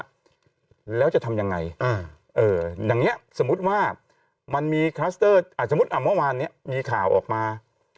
ว่าแล้วจะทำยังไงอย่างนี้สมมติว่ามีข่าวออกมา